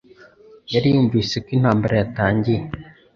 Yari yarumvise ko intambara yatangiye